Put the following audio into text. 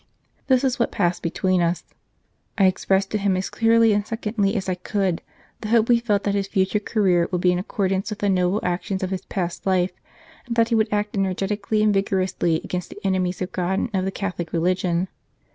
This is what passed between us : I expressed to him as clearly and succinctly as I could the hope we felt that his future career would be in accordance with the noble actions of his past life, and that he would act energetically and vigorously against the enemies of God and of the Catholic religion.